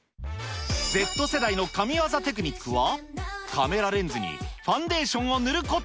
Ｚ世代の神業テクニックは、カメラレンズにファンデーションを塗ること。